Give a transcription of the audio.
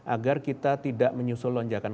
agar kita tidak menyusul lonjakan